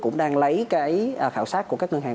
cũng đang lấy cái khảo sát của các ngân hàng